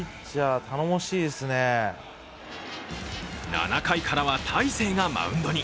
７回からは大勢がマウンドに。